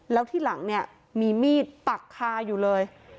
แล้วที่หลังเนี่ยมีมีดปักคาอยู่เลย